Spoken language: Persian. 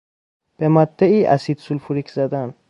به مادهای اسید سولفوریک زدن